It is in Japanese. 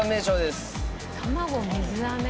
卵水あめ。